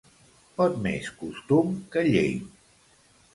Pot més costum que llei.